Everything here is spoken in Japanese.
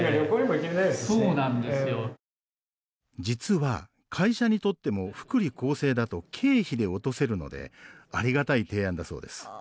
実は、会社にとっても福利厚生だと経費で落とせるのでありがたい提案だそうです。